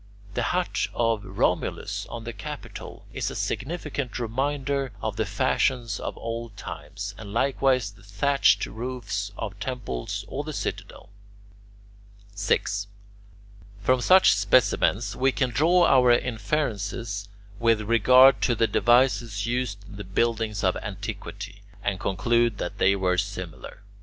The hut of Romulus on the Capitol is a significant reminder of the fashions of old times, and likewise the thatched roofs of temples or the Citadel. 6. From such specimens we can draw our inferences with regard to the devices used in the buildings of antiquity, and conclude that they were similar.